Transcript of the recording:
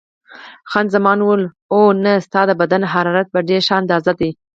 خان زمان وویل: اوه، نه، ستا د بدن حرارت په ډېره ښه اندازه دی.